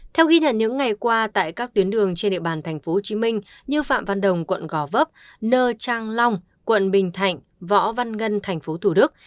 theo ghi nhận những ngày qua tại các tuyến đường trên địa bàn tp hcm như phạm văn đồng quận gò vấp nơ trang long quận bình thạnh võ văn ngân tp thủ đức